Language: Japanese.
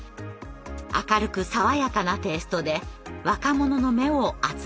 明るく爽やかなテイストで若者の目を集めました。